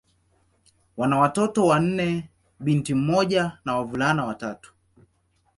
Wana watoto wanne: binti mmoja na wavulana watatu.